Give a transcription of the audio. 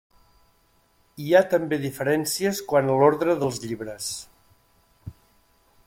Hi ha també diferències quant a l'ordre dels llibres.